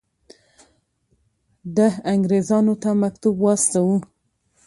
ده انګرېزانو ته مکتوب واستاوه.